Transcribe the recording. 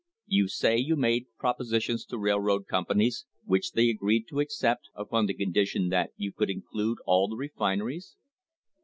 You say you made propositions to railroad companies, which they agreed to accept upon the condition that you could include all the refineries